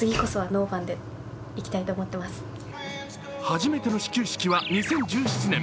初めての始球式は２０１７年。